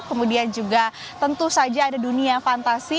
kemudian juga tentu saja ada dunia fantasi